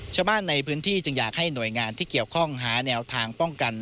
ชาวบ้านในพื้นที่จึงอยากให้หน่วยงานที่เกี่ยวข้องหาแนวทางป้องกัน